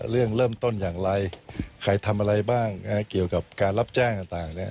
เรื่องเริ่มต้นอย่างไรใครทำอะไรบ้างเกี่ยวกับการรับแจ้งต่างเนี่ย